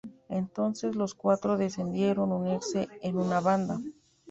Entonces los cuatro decidieron unirse en una banda.